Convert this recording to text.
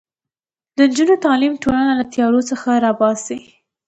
د نجونو تعلیم ټولنه له تیارو څخه راباسي.